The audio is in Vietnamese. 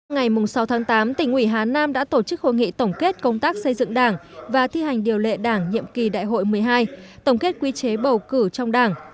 ngày sáu tháng tám tỉnh ủy hà nam đã tổ chức hội nghị tổng kết công tác xây dựng đảng và thi hành điều lệ đảng nhiệm kỳ đại hội một mươi hai tổng kết quy chế bầu cử trong đảng